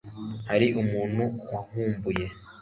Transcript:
hari umuntu wankumbuye